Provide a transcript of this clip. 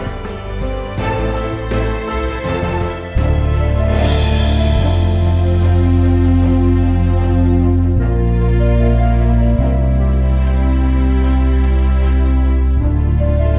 aku benar benar memang datang